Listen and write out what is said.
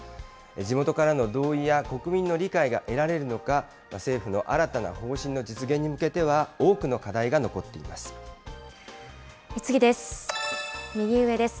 地元からの同意や国民の理解が得られるのか、政府の新たな方針の実現に向けては多くの課題が残っ次です。